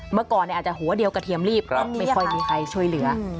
เมื่อก่อนอาจจะหัวเดียวกระเทียมรีบไม่ค่อยมีใครช่วยเหลือ